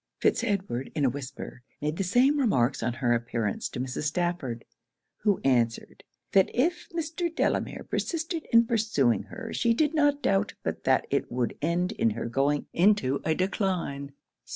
Fitz Edward, in a whisper, made the same remarks on her appearance to Mrs. Stafford; who answered, 'that if Mr. Delamere persisted in pursuing her, she did not doubt but that it would end in her going into a decline.'